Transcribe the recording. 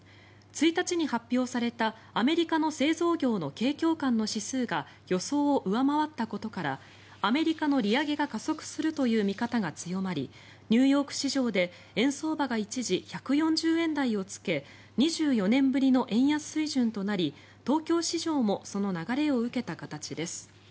１日に発表されたアメリカの製造業の景況感の指数が予想を上回ったことからアメリカの利上げが加速するという見方が強まりニューヨーク市場で円相場が一時、１４０円台をつけ２４年ぶりの円安水準となり東京市場もその流れを受けた形です。